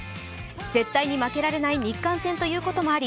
絶対に負けられない日韓戦ということもあり